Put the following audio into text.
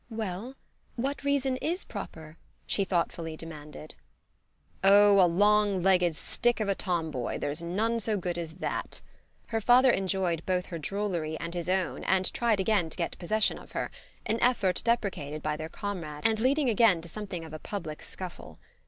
"Well, what reason IS proper?" she thoughtfully demanded. "Oh a long legged stick of a tomboy: there's none so good as that." Her father enjoyed both her drollery and his own and tried again to get possession of her an effort deprecated by their comrade and leading again to something of a public scuffle.